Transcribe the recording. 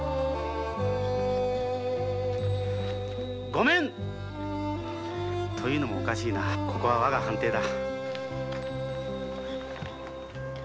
ごめん！と言うのもおかしいなここは我が藩邸だ。